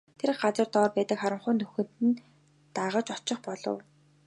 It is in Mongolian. Тэр газар дор байдаг харанхуй нүхэнд нь дагаж очих болов.